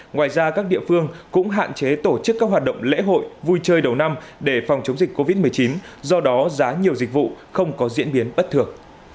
ngoài ra các địa phương cũng hạn chế tổ chức các hoạt động lễ hội vui chơi đầu năm để phòng chống dịch covid một mươi chín do đó giá nhiều dịch vụ không có diễn biến bất thường